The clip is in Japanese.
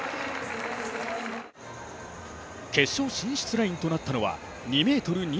決勝進出ラインとなったのは２ｍ２８。